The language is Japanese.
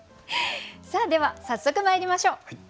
さあでは早速まいりましょう。